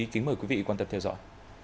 kính mời quý vị quan tâm theo dõi